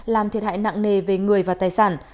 làm thiệt hại nặng nề về người và tài sản